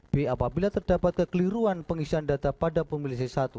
b apabila terdapat kekeliruan pengisian data pada pemilih c satu